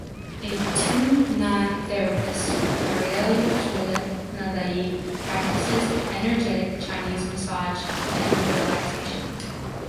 A Tui Na therapist, Marielle Trolet Ndiaye practices energetic Chinese massage and relaxation.